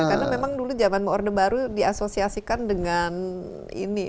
karena memang dulu zaman orde baru diasosiasikan dengan ini